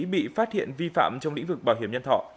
bị phát hiện vi phạm trong lĩnh vực bảo hiểm nhân thọ